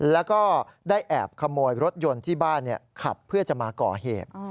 แล้วก็ได้แอบขโมยรถยนต์ที่บ้านขับเพื่อจะมาก่อเหตุ